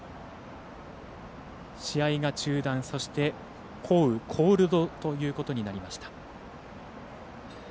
試合が中断、そして降雨コールドということになりました。